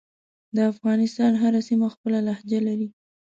دافغانستان هره سیمه خپله لهجه لری